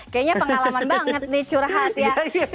kayaknya pengalaman banget nih curhat ya